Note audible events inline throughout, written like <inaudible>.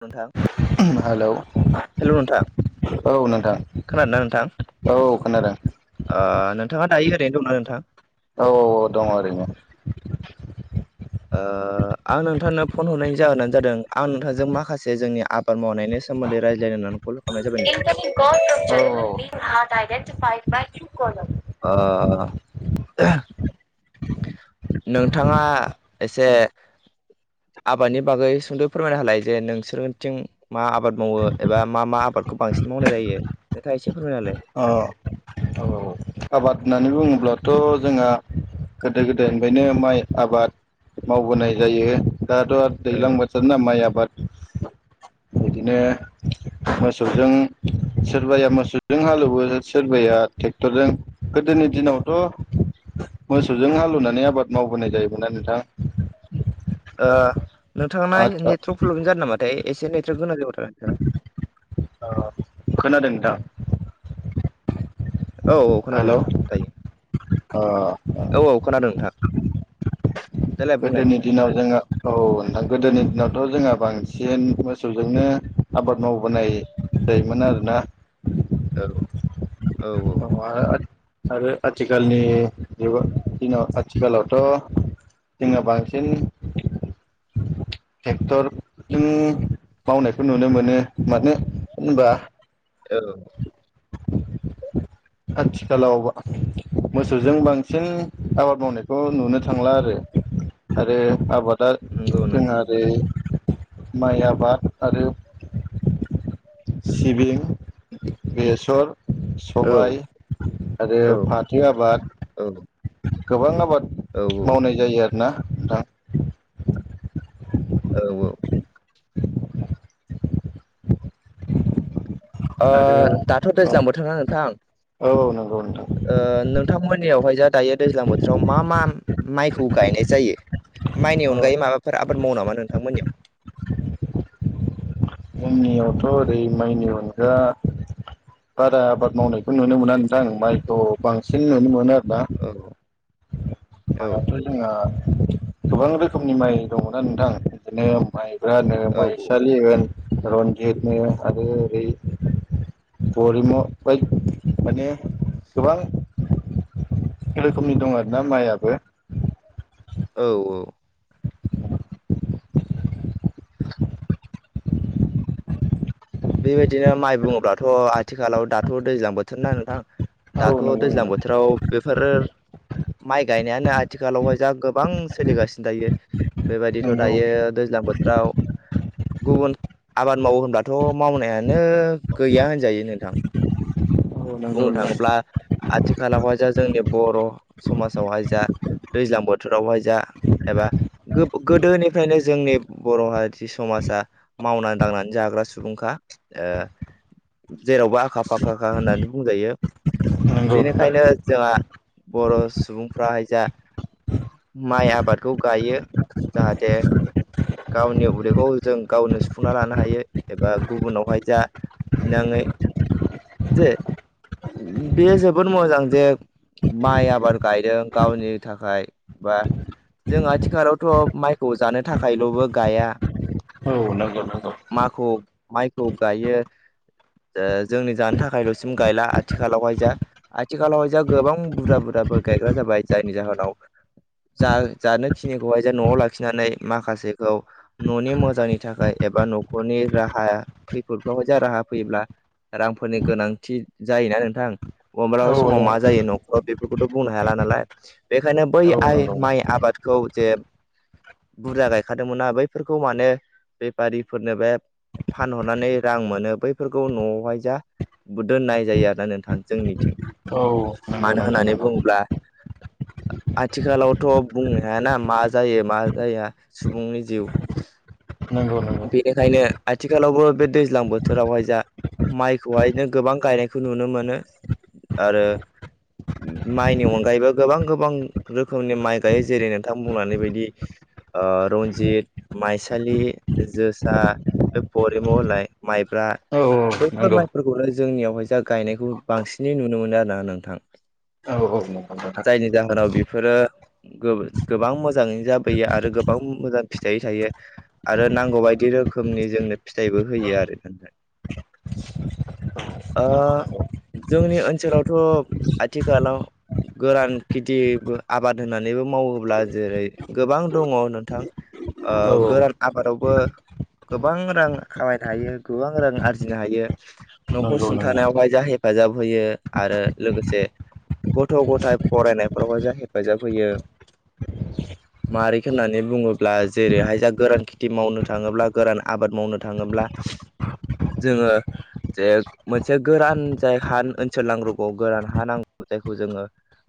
नोंथां hello hello नोंथां औ नोंथां खोनादोंना नोंथां औ खोनादों ओ नोंथाङा दायो ओरैनो दंना नोंथां? औ औ औ दङ ओरैनो आं नोंथांनो फन हरनायनि जाहोनानो जादों आं नोंथांजों माखासे जोंनि आ जाबाय नोंथां। <inaudible> <inaudible> अ नोंथाङा एसे आबादनि बागै सुंद' फोरमायना होलाय जे नोंसोरथिं मा आबाद मावो एबा मा मा आबादखौ बांसिन मावनाय जायो फोरमायना होलाय अ औ आबाद होननानै बुङोब्लाथ' जोंहा गोदो-गोदायनिफ्रायनो माइ आबाद मावबोनाय जायो। दाथ' आरो दैज्लां औ बोथोर ना माइ आबाद बिदिनो मोसौजों सोरबाया मोसौ जों हालेवो सोरबाया ट्रेक्टरजों गोदोनि दिनावथ' मोसौजों हालौवनानै आबाद मावबोनाय जायोमोना नोंथां। ओ नोंथाङा आदसा नेटवर्क प्रब्लेम जादों नामाथाय एसे नेटवारर्क गोनां जाब थ खोनादों <unintelligible> ओ नोंथां औ औ खोनादों हेलौ नोंथां दायो अ औ औ खोनादों नोंथां। देलाय बुंलाय गोदोनि नोंथां। दिनाव जोङो औ नोंथां गोदोनि दिनावथ' जोंहा बांसि सिन मोसौजोंनो आबाद मावबोनाय जायोमोन आरोना औ औ औ आरो आथिखालनि दिनाव आथिखालावथ' जों बांसिन टेक्टरजों मावउनाय खौ नुनो मोनो मानो होनबा औ आथिखाल बा मोसौजों बांसिन आबाद मावनायखौ नुनो थांला आरो आरो आबाद आ नंगौ जोहा नंगौ आरो माइ आबाद आरो सिबिं बेसर औ सबाय आरो औ फाथो आबाद औ गोबां आबाद औ मावनाय जायो आरोना नोंथां औ औ ओ दाथ' नोंथां दैज्लां बोथोरना नोंथां औ औ नंगौ नोंथां ओ नोंथांमोननियावहाय जा दायो दैज्लां बोथोराव मा मा माइखौ गायनाय जायो? माइनि ओ अनगायै माबाफोर आबाद मावओ नामा नोंथांमोननियाव? जोंनियावथ' ओरै माइनि अनगा बारा आबाद मावनायखौ नुनो मोना नोंथां माइखौ बांसिन नुनो मोनो । दा औ औ माइआथ' जोंहा गोबां रोखोमनि माइ दङना नोंथां बिदिनो माइब्रा नो औ माइसालि होन रनजिथनो आरो आरै फरिमल <unintelligible> माने गोबां रोखोमनि दं आरोना माइयाबो औ औ बेबायदिनो माइ बुङोब्लाथ' आथिखालाव दाथ' दैज्लां बोथोरना नोंथां औ दाथ' नंगौ दैज्लां नोंथां बोथोराव बेफोर माइ गायनायानो आथिखालावहाय जा गोबां सोलिगासिनो दायो। बेबायदिथ' नंगौ दायो दैज्लां बोथोराव गुबुन आबाद मावो होनबा थ' मावनायानो गैया होनजायो नोंथां। औ नंगौ बुंनो नोंथां थाङोब्ला आथिखालावहाय जा जोंनि बर' समाजावहाय जा दैज्लां बोथोरावहाय जा एबा गो-गोदोनिफ्रायनो जोंनि बर'हा थि समाव जा मावनानै दांनानै जाग्रा सुबुंखा ओ जेरावबो आखा फाखाखा होननानै बुंजायो नंगौ बेनिखायनो नोंथां जोंहा बर' सुबुंफ्राहाय जा माइ आबादखौ गायो जाहाथे गावनि उदैखौ जों गावनो सुफुंना लानो हायो एबा गुबुनावहाय जा बिनाङै जे बेयो जोबोद मोजां जे माइ आबाद गायदों गावनि थाखाय बा जों आथिखालावथ' माइखौ जानो थाखायल'बो गाया <unintelligible> माखौ माइखौ गायो ओ जोंनि जानो थाखायल'सो गायला आथिखालावहाय जा आथिखालावहाय जा गोबां बुरजा बुरजाबो गायग्रा जाबाय जायनि जाहोनाव जा जानोखिनिखौहाय जे न'आव लाखिनानै माखासेखौ न'नि मोजांनि थाखाय एबा न'खरनि राहा खैफोदफ्रावहाय जा राहा फैयोब्ला रांफोरनि गोनां थि जायोना नोंथां मब्लाबा औ समाव मा जायो न'खराव बे फोरखौथ' बुंनो हाला नालाय बेखायनो बै आइ नंगौ माइ आबादखौ जे बुरजा गायखादोंमोनना बैफोरखौ मानो बेफारिफोरनो बे फानहरनानै रां मोनो बैफोरखौ न'आवहाय जा दोननाय जायो आरोना नोंथां जोंनिथिं औ नंगौ मानो नोंथां होननानै बुङोब्ला <inaudible> आथिखालावथ' बुंनो हायाना मा जायो मा जाया सुबुंनि जिउ नंगौ नंगौ ओंखायनो आथिखालावबो बे दैज्लां बोथोरावहाय जा माइखौहायनो गोबां गायनायखौ नुनो मोनो आरो माइनि अनगायैबो गोबां गोबां रोखोमनि माइ गायो जेरै- नोंथां बुंलांनाइ बायदि ओ रनजित माइसालि जोसा बे फरिमल होननाय माइब्रा बा औ औ बैफोर नंगौ माइफोरखौनो जोंनियावहाय जा गायनायखौ बांसिनै नुनो मोनो आरोना नोंथां। औ औ जायनि जाहोनाव बेफोरो गोब गोबां मोजाङैनो जाबोयो आरो गोबां मोजां फिथाइ थायो आरो नांगौबायदि रो खोमनि जोंनो फिथाइबो होयो आरो। ओ जोंनि ओनसोलावथ' आथिखालाव गोरान खेथि आबाद होनानैबो मावोब्ला जेरै गोबां दङ नोंथां। ओ गोरान आबादाव बो गोबां रां खामायनो हायो गोबां रां आरजिनो हायो। न'खर नंगौ नोंथां सुंथानायावहाय जा हेफाजाब होयो आरो लोगोसे गथ' गथाय फरायनायफोरावबो जा हेफाजाब होयो। मारैख होननानै बुङोब्ला जेरैहाय जा गोरान खेथि मावनो थाङोब्ला गोरान आबाद मावनो थाङोब्ला। जोङो। जे मोनसे गोरान जाय हा ओनसोल नांग्रोगगौ गोरान हा नांगौ जायखौ जोङो।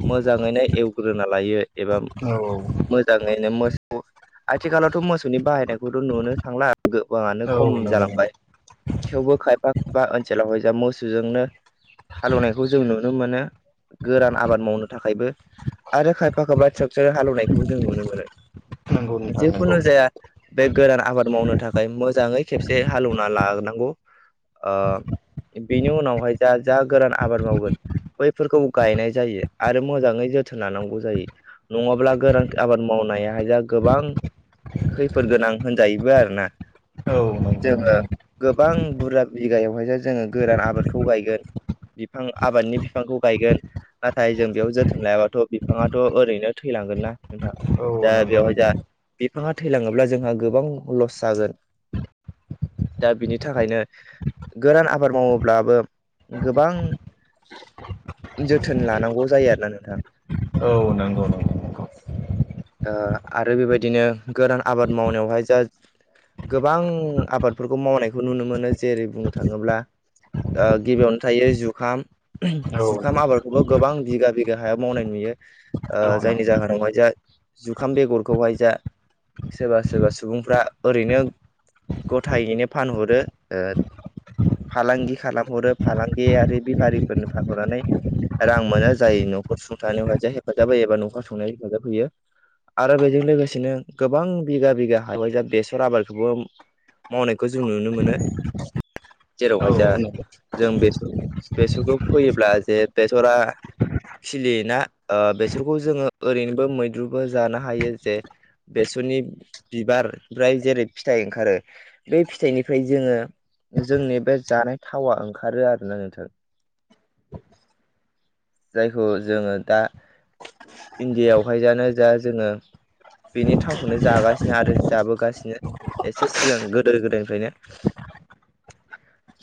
मोजाङैनो एवग्रोना लायो एबा नंगौ मोजाङैनो मोसौ आथिखालावथ' मोसौनि बाहायनायखौथ' नुनो थांला गोबाङानो नंगौ औ नंगौ औ खम नंगौ जालांबाय थेवबो खायफा खायफा ओनसोलाव हय जा मोसौजोंनो हालेवनायखौ जों नुनो मोनो गोरान आबाद मावनो थाखायबो आरो खायफा खायफा स्ट्रकसार हालेवनायखौबो जों नुनो मोनो नंगौ नोंथां जिखुनु नंगौ जाया बे गोदान आबाद मावनो थाखाय मोजाङै खेबसे हालेवना लानांगौ ओ बिनि उनावहाय जा जा गोरान आबाद मावगोन। बैफोरखौबो गायनाय जायो आरो मोजाङै जोथोन लानांगौ जायो नङाब्ला गोरान आबाद माव मावनाया गोबां खैफोद गोनां होनजायोबो आरोना। औ नंगौ जोङो नोंथां गोबां बुरजा बिगायावहाय जो जोङो गोरान आबादखौ गायगोन बिफां आबादनि बिफांखौ गायगोन नाथाय जों बेयाव जोथोन लायाबाथ' बिफाङाथ' ओरैनो थैलांगोन ना नोंथां औ दा नंगौ बेवहाय नोंथां दा बिफाङा थैलाङोब्ला जोंहा गोबां लस जागोन। दा बिनि थाखायनो गोरान आबाद मावोब्लाबो गोबां जोथोन लानांगौ जायो आरोना नोंथां। औ नंगौ नंगौ नंगौ आरो बेबायदिनो गोरान आबाद मावनायावहाय जा गोबां आबादफोरखौ मावनायखौ नुनो मोनो जेरै बुंनो थाङोब्ला ओ गिबियावनो थायो जुखाम औ जुखाम आबादखौबो गोबां बिगा बिगा हायाव मावनाय नुयो। ओ जायनि जाहोनावहाय जा जुखाम बेगरखौहाय जा सोरबा सोरबा सुबुंफ्रा ओरैनो गथायैनो फानहरो ओ फालांगि खालामहरो फालांगियारि बेफारिफोरनो फानहरनानै रां मोना जायो न'खर सुंथानायावहाय जाय हेफाजाब होयो एबा न'खर संनाय हेफाजाब होयो। आरो बेजों लोगोसेनो गोबां बिगा बिगा हाबाय जा बेसर आबादखौबो मावनायखौ जों नुनो मोनो औ जेरावहाय जा जों बेसर बेसरखौ फैयोब्ला जे बेसरा खिलियो ना ओ बेसरखौ जोङो ओरैनोबो मैद्रुबो जानो हायो जे बे सर बिसोरनि बिबार फ्राय जेरै फिथाइ ओंखारो बे फिथाइनिफ्राय जोङो जोंनि बे जानाय थावा ओंखारो आरोना नोंथां। जायखौ जोङो दा इण्डियावहाय जानो जा जोङो। बेनि थावखौनो जागासिनो आरो जाबोगासिनो एसे सिगां गोदो गोदायनिफ्रायनो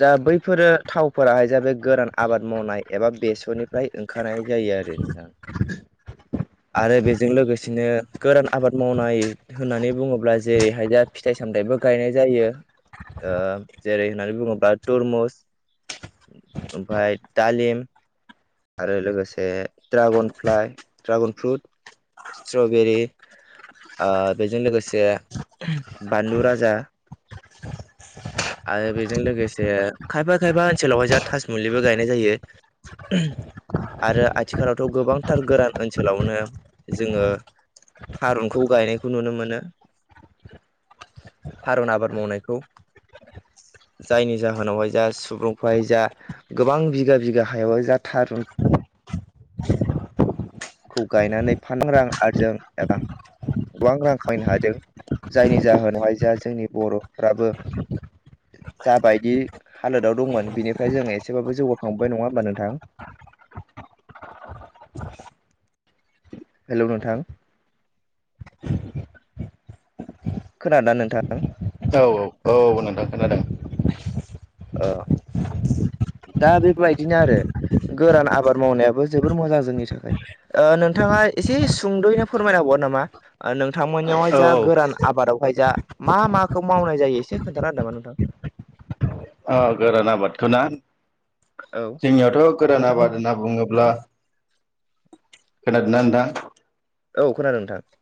जा बैफोरो थावफोराहाय जा बे गोरान आबाद मावनाय एबा बेसरनिफ्राय ओंखारनाय जायो। आरो ना नोंथां। आरो बेजों लोगोसेनो गोरान आबाद मावनाय होननानै बुङोब्ला जेरैहाय दा फिथाइ-सामथाइ बो गायनाय जायो ओ जेरै होननानै बुङोब्ला तरमुस ओमफाय दालिम आरो लोगोसे ड्रागनफ्लाइ ड्रागन फ्रुट स्ट्रबेरि ओ बेजों लोगोसे बानलु राजा <inaudible> आरो बेजों लोगोसे खायफा खायफा ओनसोलावहाय जोहा थासुमलिबो गायनाय जायो। आरो आथिखालावथ' गोबांथार गोरान ओनसोलावनो जोङो थारुनखौ गायनायखौ नुनो मोनो। थारुन आबाद मावनायखौ जायनि जाहोनावहाय जा सुबुंफ्राय जा गोबां बिघा बिघा हायावहाय जा थारुन खौ गायनानै <unintelligible> आरजों एबा गोबां रां खामायनो हादों जायनि जाहोनावहाय जोहा जोंनि बर'फ्राबो जाबायदि हालोदाव दंमोन बिनिफ्राय जोंङो एसेबाबो जौगाखांबोबाय नङा होमबा नोंथां? <inaudible> हेलौ नोंथां । खोनादोना नोंथां? औ औ औ नोंथां खोनादों । ओ दा बेबायदिनो आरो । गोरान आबाद मावनायाबो जोबोर मोजां जोंनि थाखाय ओ नोंथाङा एसे सुंदयैनो फोरमायनांगौ <unintelligible> नामा ओ नोंथांमोननियावहाय औ जा गोरान आबादाव फाय जा मा माखौ मावनाय जायो एसे खोनथाना होदो नामा नोंथां? अ गोरान आबादखौ ना? औ जोंनियावथ गोरान नोंथांमोन आबाद होनना बुङोब्ला खोनादोंना नोंथां? औ खोनादों नोंथां ।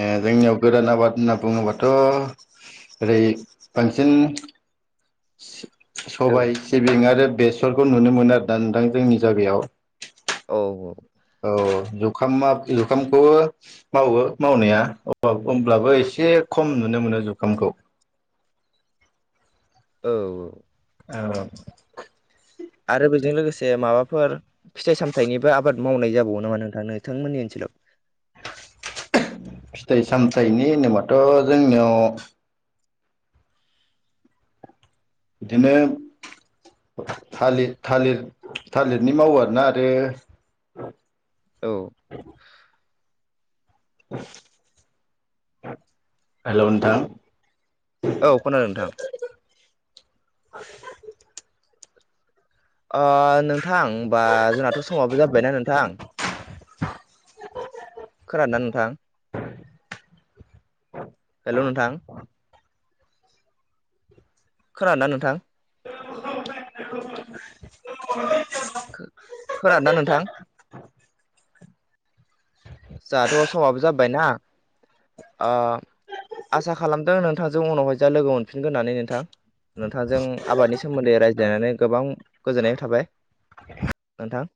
ओ जोंनियाव गोदान आबाद होनना बुङोबाथ ओरै बांसिन औ सबाय सिबिं आरो बेसरखौ नुनो मोनो आरोना नोंथां जोंनि जागायाव । औ औ । औ जुखाम आब जुखामखौबो मावो मावनाया अ होमब्लाबो एस से खम नुनो मोनो जुखामखौ । औ औ । औ । आरो बेजों लोगोसे माबाफोर फिथाइ सामथाइनिबो आबाद मावनाय जाबावो नामा नोंथां नोंथांमोननि ओनसोलाव? <inaudible> फिथाइ सामथाइनि होनोबाथ जोंनियाव बिदिनो थालिर थालिर थालिरनि मावो आरोना आरो औ । हेलौ नोंथां । औ खोनादों नोंथां । <inaudible> ओ नोंथां होमबा जोंनाथ समाबो जाबायना नोंथां? खोनादोंना नोंथां? हेलौ नोंथां । खोनादोंना नोंथां? खो <unintelligible> खोनादोंना नोंथां? जोहाथ समाबो जाबायना ओ आसा खालामदों नोंथांजों उनावहाय जा लोगो मोनफिनगोन होननानै नोंथां । नोंथांजों आबादनि सोमोन्दै रायज्लायनानै गोबां गोजोननाय थाबाय । नोंथां